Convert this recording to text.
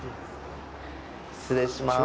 失礼します。